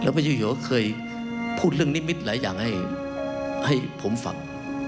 พระเจ้าอยู่ก็เคยพูดเรื่องนิมิตหลายอย่างให้ผมฟัง